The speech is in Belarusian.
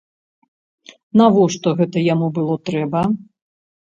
Навошта гэта яму было трэба?